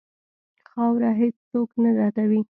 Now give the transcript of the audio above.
خاوره هېڅ څوک نه ردوي.